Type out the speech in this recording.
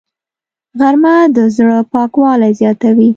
غرمه د زړه پاکوالی زیاتوي